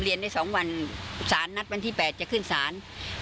เรียนได้๒วันสารนัดวันที่๘จะขึ้นสาร